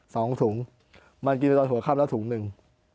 สองถุงมันกินไปตอนหัวค่ำแล้วถุงหนึ่ง